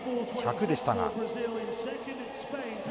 １００でしたが。